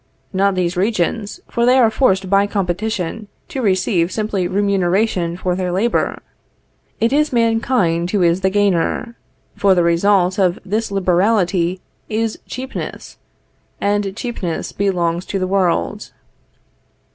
Not these regions, for they are forced by competition to receive simply remuneration for their labor. It is mankind who is the gainer; for the result of this liberality is cheapness, and cheapness belongs to the world.